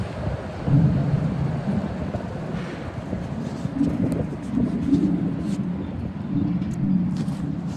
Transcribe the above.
德维尼察农村居民点是俄罗斯联邦沃洛格达州索科尔区所属的一个农村居民点。